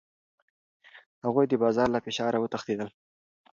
هغوی د بازار له فشاره وتښتېدل.